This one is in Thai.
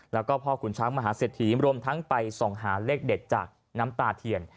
แล้วก็พ่อขุนช้างมหาเศรษฐีรวมทั้งไปส่องหาเลขเด็ดจากน้ำตาเทียน